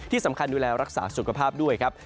ที่สำคัญดูแลรักษาสุขภาพด้วยครับ